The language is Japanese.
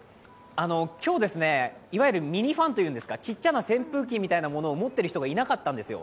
今日、いわゆるミニファンというか、小さいな扇風機みたいなものを持っている人がいなかったんですよ。